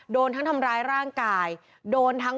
บิลทำร้ายร่างกายโดนทั้ง